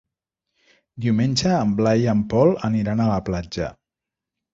Diumenge en Blai i en Pol aniran a la platja.